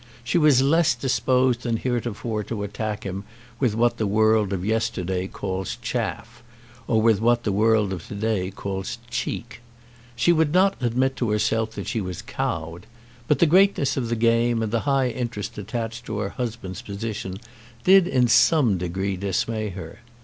She was less disposed than heretofore to attack him with what the world of yesterday calls "chaff," or with what the world of to day calls "cheek." She would not admit to herself that she was cowed; but the greatness of the game and the high interest attached to her husband's position did in some degree dismay her.